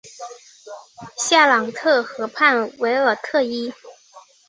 夏朗特河畔韦尔特伊。